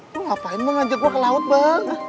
lu ngapain mau ngajak gua ke laut bang